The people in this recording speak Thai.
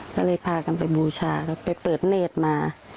ก็เลยพากันไปบูชาครับไปเปิดเนธมา